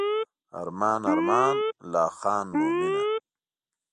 ارمان ارمان لا خان مومنه.